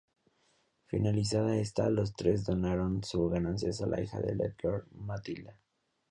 Finalizada esta, los tres donaron sus ganancias a la hija de Ledger, Matilda.